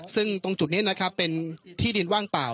ซึ่งตรงจุดนี้นะครับเป็นที่ดินว่างเปล่า